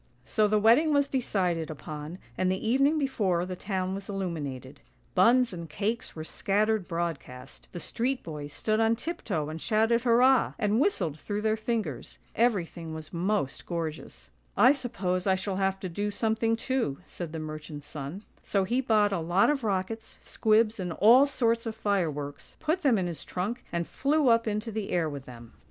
So the wedding was decided upon, and the evening before the town was illuminated. Buns and cakes were scattered broad cast; the street boys stood on tiptoe and shouted hurrah, and whistled through their fingers. Everything was most gorgeous. " I suppose I shall have to do something too," said the merchant's son; so he bought a lot of rockets, squibs, and all sorts of fireworks, put them in his trunk, and flew up into the air with them.